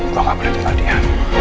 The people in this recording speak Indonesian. gue gak boleh jatuh hati ya